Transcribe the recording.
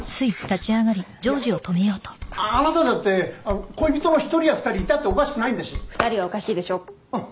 やだお父さんそういうつもりであなただって恋人の１人や２人いたっておかしくないんだし２人はおかしいでしょあっ